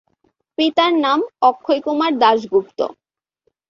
পিতার নাম অক্ষয়কুমার দাশগুপ্ত।